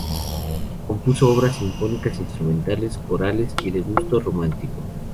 Compuso obras sinfónicas, instrumentales, corales y de gusto romántico.